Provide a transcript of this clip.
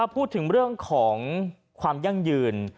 พูดถึงเรื่องของความยั่งยืน